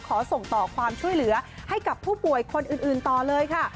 ขอส่งต่อความช่วยเหลือให้กับผู้ป่วยคนอื่นต่อเลยค่ะ